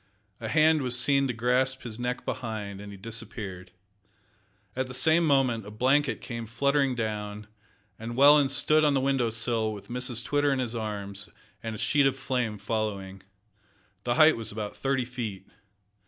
A hand was seen to grasp his neck behind, and he disappeared. At the same moment a blanket came fluttering down, and Welland stood on the window sill with Mrs Twitter in his arms, and a sheet of flame following. The height was about thirty feet.